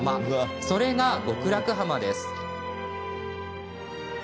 それが極楽浜です。